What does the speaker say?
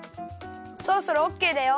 そろそろオッケーだよ。